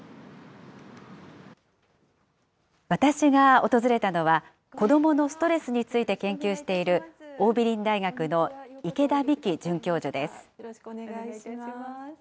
私が訪れたのは、子どものストレスについて研究している、桜美林大学の池田美樹准教授です。